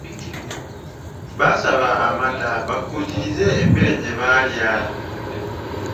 Baasaba amata bakuutirize emmere gye baalya.